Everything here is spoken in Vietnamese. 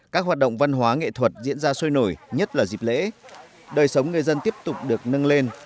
các hoạt động văn hóa nghệ thuật diễn ra sôi nổi nhất là dịp lễ đời sống người dân tiếp tục được nâng lên